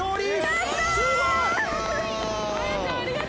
すごーい！